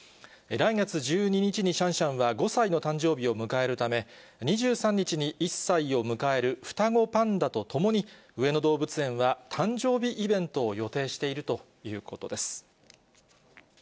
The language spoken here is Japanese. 来月１２日にシャンシャンは５歳の誕生日を迎えるため、２３日に１歳を迎える双子パンダとともに上野動物園は、誕生日イベントを予定しているということです。